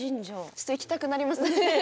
ちょっと行きたくなりますね。